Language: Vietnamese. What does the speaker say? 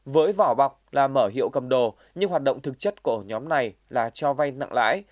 với vỏ bọc là mở hiệu cầm đồ nhưng hoạt động thực chất của ổ nhóm này là cho vay nặng lãi